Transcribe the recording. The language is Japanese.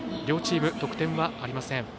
両チーム、得点ありません。